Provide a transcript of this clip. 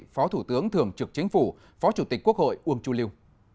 phó thủ tướng thường trực chính phủ phó chủ tịch quốc hội uông chu liêu